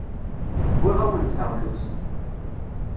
Wwiɣ-awen-d taɣlust.